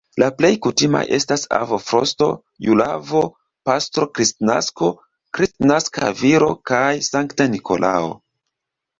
La plej kutimaj estas "Avo Frosto", "Jul-Avo", "Patro Kristnasko", "Kristnaska Viro" kaj "Sankta Nikolao".